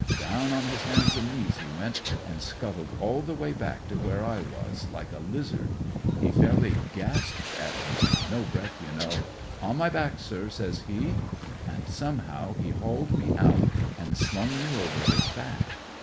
Down on his hands and knees he went, and scuttled all the way back to where I was, like a lizard. He fairly gasped at me ; no breath, you know. "* On me back, sir,' says he. "And, soni; ihow, he hauled me out and slung me over his back.